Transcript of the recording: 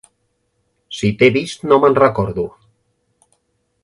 Si t'he vist, no me'n recordo!